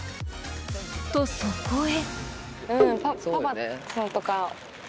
［とそこへ］